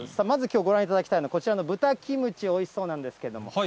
まず、きょうご覧いただきたいのは、こちらの豚キムチ、おいしそうなんですけれども。